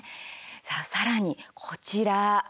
さあ、さらにこちら。